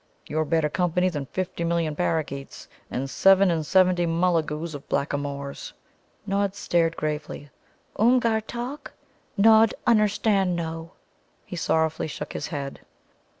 You're better company than fifty million parakeets, and seven and seventy Mullagoes of blackamoors." Nod stared gravely. "Oomgar talk; Nod unnerstand no." He sorrowfully shook his head.